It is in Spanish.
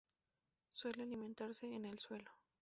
Suele alimentarse en el suelo.